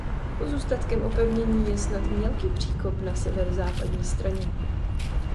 Pozůstatkem opevnění je snad mělký příkop na severozápadní straně.